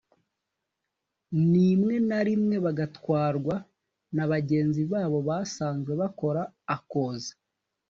nimwe na rimwe bagatwarwa na bagenzi babo basanzwe bakora akozi